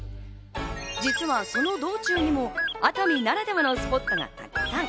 実はその道中にも、熱海ならではのスポットがたくさん。